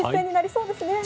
そうですね。